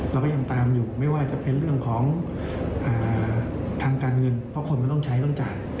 เราก็ยังตามอยู่ไม่ว่าจะเป็นเรื่องของทางการเงินเพราะคนมันต้องใช้ต้องจ่าย